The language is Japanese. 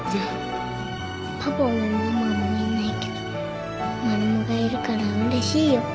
パパもママもいないけどマルモがいるからうれしいよ